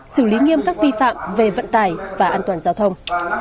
xử lý nghiêm các vi phạm về vận tải và an toàn giao thông